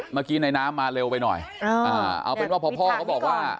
เมื่อกี้ในน้ำมาเร็วไปหน่อยเอาเป็นว่าพอพ่อเขาบอกว่า